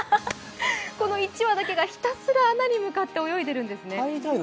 この１羽だけがひたすら穴に向かって泳いでいるんですね。